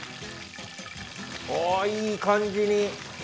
おおいい感じに。